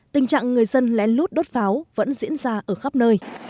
tình trạng người dân lén lút đốt pháo vẫn diễn ra ở khắp nơi